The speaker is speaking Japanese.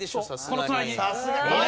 この隣に。